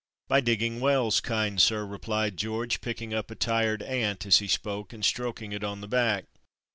"By digging wells, kind sir," replied George, picking up a tired ant as he spoke and stroking it on the back.